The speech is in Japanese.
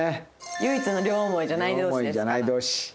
唯一の両思いじゃない同士です。